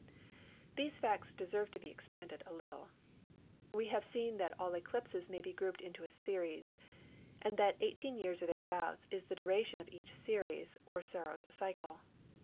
These facts deserve to be expanded a little. We have seen that all eclipses may be grouped in a series, and that 18 years or thereabouts is the duration of each series, or Saros cycle.